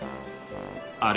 ［あれ？］